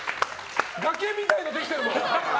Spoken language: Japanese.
崖みたいなのできてる。